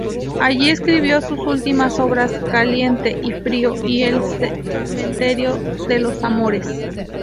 Allí escribió sus últimas obras "Caliente y Frío" y "El Cementerio de los Amores".